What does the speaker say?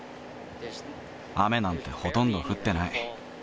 雨なんてほとんど降ってない。